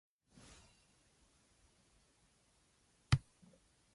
The field of ten teams was split into two groups of five.